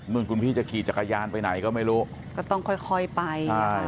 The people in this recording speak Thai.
คุณพี่จะขี่จักรยานไปไหนก็ไม่รู้ก็ต้องค่อยไป